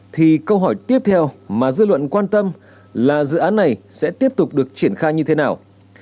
thì câu hỏi tiếp theo mà dư luận quan tâm là dự án này sẽ tiếp tục được triển khai như thế nào